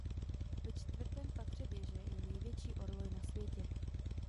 Ve čtvrtém patře věže je největší orloj na světě.